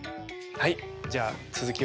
はい。